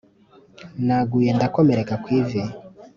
Naguye ndakomereka kw’ivu